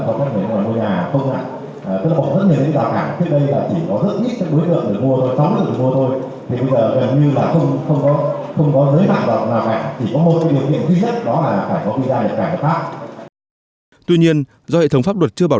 chúng ta là những quốc gia to